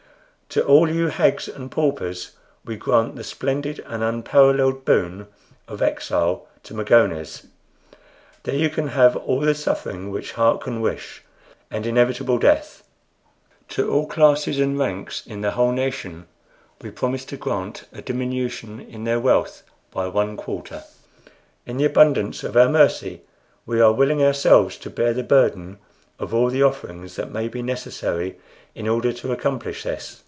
"To all you hags and paupers we grant the splendid and unparalleled boon of exile to Magones. There you can have all the suffering which heart can wish, and inevitable death. To all classes and ranks in the whole nation we promise to grant a diminution in their wealth by one quarter. In the abundance of our mercy we are willing ourselves to bear the burden of all the offerings that may be necessary in order to accomplish this.